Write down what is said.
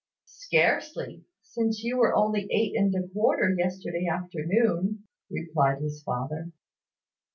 "Scarcely; since you were only eight and a quarter yesterday afternoon," replied his father.